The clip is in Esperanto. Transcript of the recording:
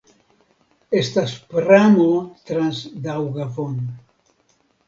Estas pramo trans Daŭgavon.